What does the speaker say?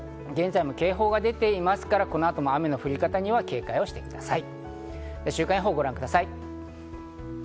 現在も警報が出ていますから、この後も雨の降り方には警戒してください。